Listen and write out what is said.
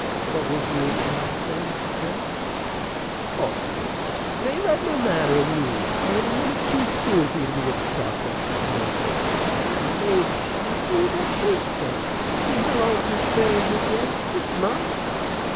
What was you a gwine to say, Mr. Crane? Oh, no, Mr. Crane, by no manner o' means; 'tain't a minute tew soon for you to begin to talk about gittin' married ag'in. I am amazed you should be afeerd I'd think so. See how long's Miss Crane been dead? Six months!